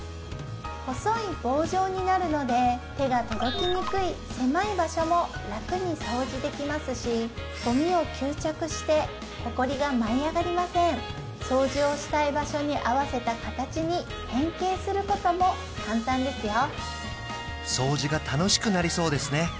細い棒状になるので手が届きにくい狭い場所も楽に掃除できますしごみを吸着してほこりが舞い上がりません掃除をしたい場所に合わせた形に変形することも簡単ですよ掃除が楽しくなりそうですね